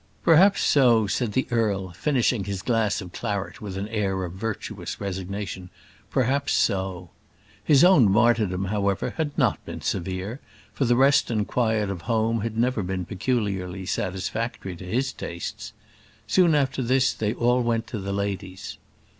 "Perhaps so," said the earl, finishing his glass of claret with an air of virtuous resignation. "Perhaps so." His own martyrdom, however, had not been severe, for the rest and quiet of home had never been peculiarly satisfactory to his tastes. Soon after this they all went to the ladies.